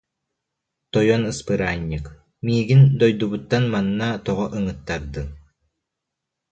Тойон ыспыраанньык, миигин дойдубуттан манна тоҕо ыҥыттардыҥ